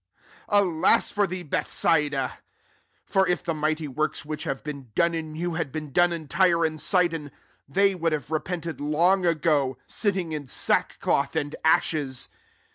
Alas for thee» Bethsaidai fer^if thia^ mighty works which have been 6om» in you had been done m Tyre and Sidon, they would have repented 'long ago, nttingin 8a6kok>th and ashes.